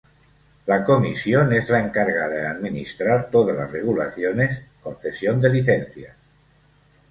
La comisión es la encargada en administrar todas las regulaciones, concesión de licencias.